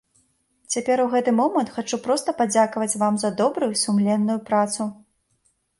Цяпер у гэты момант хачу проста падзякаваць вам за добрую, сумленную працу.